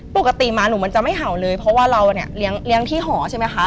ปกติหมาหนูมันจะไม่เห่าเลยเพราะว่าเราเนี่ยเลี้ยงที่หอใช่ไหมคะ